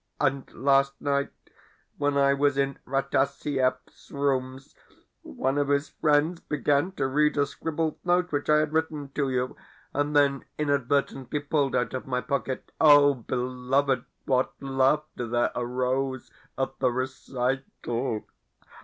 And last night, when I was in Rataziaev's rooms, one of his friends began to read a scribbled note which I had written to you, and then inadvertently pulled out of my pocket. Oh beloved, what laughter there arose at the recital!